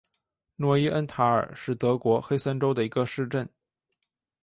诺伊恩塔尔是德国黑森州的一个市镇。